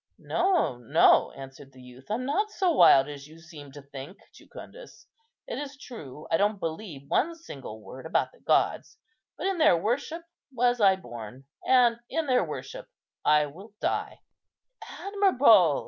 "No, no," answered the youth; "I'm not so wild as you seem to think, Jucundus. It is true I don't believe one single word about the gods; but in their worship was I born, and in their worship I will die." "Admirable!"